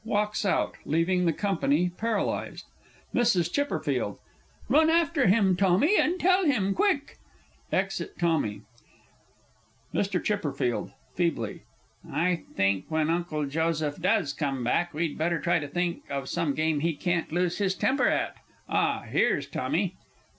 [Walks out, leaving the company paralysed. MRS. C. Run after him, Tommy, and tell him quick! [Exit TOMMY. MR. C. (feebly). I think when Uncle Joseph does come back, we'd better try to think of some game he can't lose his temper at. Ah, here's Tommy!